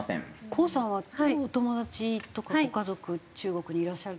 高さんはお友達とかご家族中国にいらっしゃる？